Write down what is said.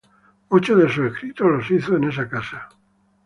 Muchos de sus escritos los hizo en esa casa.